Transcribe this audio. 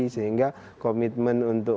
sehingga komitmen untuk